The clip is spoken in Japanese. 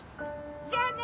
じゃあね！